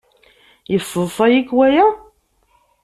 Yesseḍsay-ik waya?